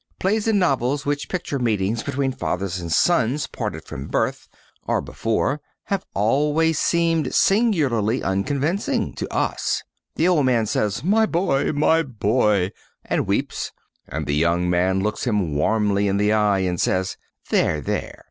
Plays and novels which picture meetings between fathers and sons parted from birth or before have always seemed singularly unconvincing to us. The old man says "My boy! My boy!" and weeps, and the young man looks him warmly in the eye and says, "There, there."